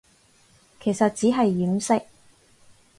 其實只係掩飾